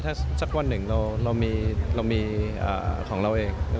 ถ้าสักวันหนึ่งเรามีของเราเอง